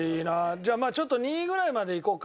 じゃあまあちょっと２位ぐらいまでいこうか。